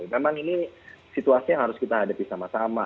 memang ini situasi yang harus kita hadapi sama sama